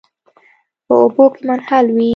په اوبو کې منحل وي.